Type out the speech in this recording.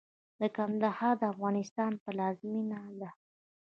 د کندهار د افغانستان پلازمېنه ده.